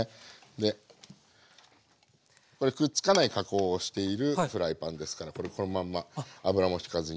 でこれくっつかない加工をしているフライパンですからこのまんま油もしかずにね。